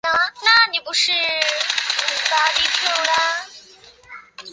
多数过氯酸盐可溶于水。